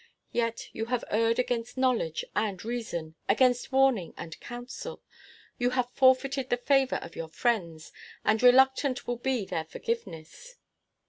Yet you have erred against knowledge and reason, against warning and counsel. You have forfeited the favor of your friends, and reluctant will be their forgiveness."